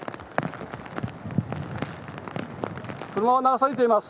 車が流されています。